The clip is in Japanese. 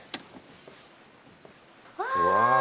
うわ！